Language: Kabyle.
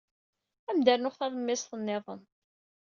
Ad am-d-rnuɣ talemmiẓt niḍen.